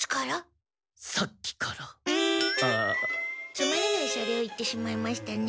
つまらないシャレを言ってしまいましたね。